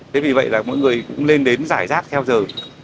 thế vì vậy là mọi người cũng nên đến giải rác theo giờ